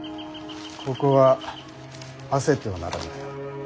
ここは焦ってはならぬ。